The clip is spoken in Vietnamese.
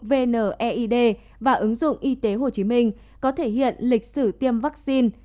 vneid và ứng dụng y tế hồ chí minh có thể hiện lịch sử tiêm vaccine